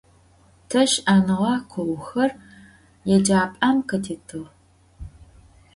Te ş'enığe kuuxer yêcap'em khıtitığ.